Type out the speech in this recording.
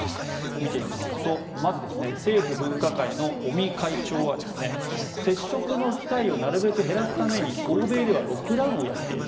見ていきますとまず、政府分科会の尾身会長は接触の機会をなるべく減らすために欧米ではロックダウンをやっている。